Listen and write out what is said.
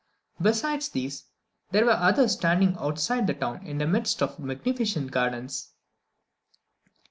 Besides these, there were others standing outside the town in the midst of magnificent gardens.